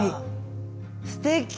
すてき！